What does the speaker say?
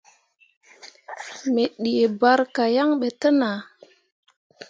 Me dii barka yan ɓe te nah.